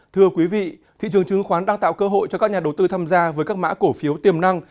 thưa quý vị thị trường chứng khoán đang tạo cơ hội cho các nhà đầu tư tham gia với các mã cổ phiếu tiềm năng